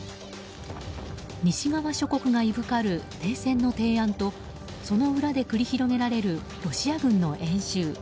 西側諸国がいぶかる停戦の提案とその裏で繰り広げられるロシア軍の演習。